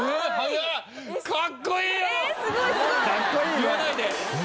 言わないで。